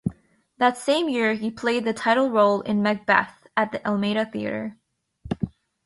That same year, he played the title role in "Macbeth" at the Almeida Theatre.